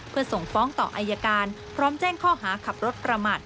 เพื่อส่งฟ้องต่ออายการพร้อมแจ้งข้อหาขับรถประมาท